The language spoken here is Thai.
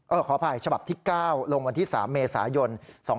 เออขออภัยฉบับที่๙ลงวันที่๓เมษายน